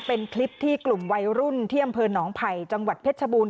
เป็นคลิปที่กลุ่มวัยรุ่นที่อำเภอหนองไผ่จังหวัดเพชรชบูรณ